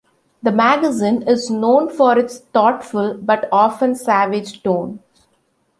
The magazine is known for its thoughtful but often savage tone.